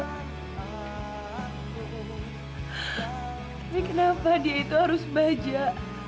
ini kenapa dia itu harus baja